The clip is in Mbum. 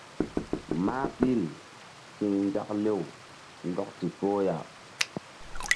Mah ɓil ti̧h nzak lew ndɔk ndikpoh ya.